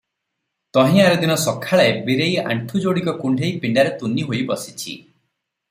ତହିଁ ଆରଦିନ ସଖାଳେ ବୀରେଇ ଆଣ୍ଠୁ ଯୋଡିକ କୁଣ୍ଢେଇ ପିଣ୍ଡାରେ ତୁନି ହୋଇ ବସିଛି ।